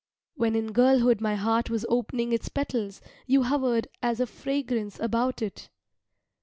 When in girlhood my heart was opening its petals, you hovered as a fragrance about it.